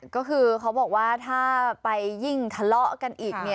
ก็คือเขาบอกว่าถ้าไปยิ่งทะเลาะกันอีก